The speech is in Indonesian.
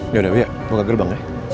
yauda kita ke gerbang ayo